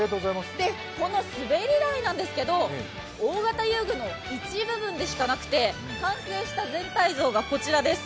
この滑り台なんですけど、大型遊具の一部分でしかなくて完成した全体像がこちらです。